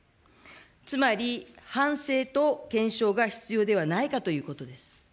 つまり反省と検証が必要ではないかということです。